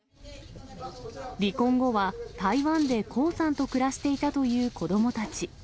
離婚後は、台湾で江さんと暮らしていたという子どもたち。